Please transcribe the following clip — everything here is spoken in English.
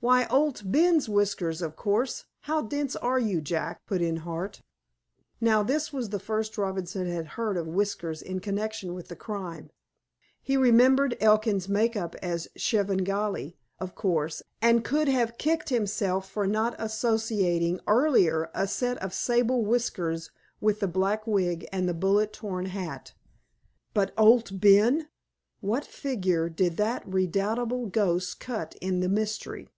"Why, Owd Ben's whiskers, of course. How dense you are, Jack!" put in Hart. Now, this was the first Robinson had heard of whiskers in connection with the crime. He remembered Elkin's make up as Svengali, of course, and could have kicked himself for not associating earlier a set of sable whiskers with the black wig and the bullet torn hat. But, Owd Ben! What figure did that redoubtable ghost cut in the mystery?